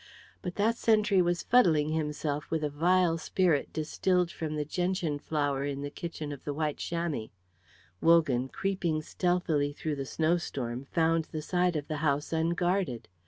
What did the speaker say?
But that sentry was fuddling himself with a vile spirit distilled from the gentian flower in the kitchen of "The White Chamois." Wogan, creeping stealthily through the snow storm, found the side of the house unguarded.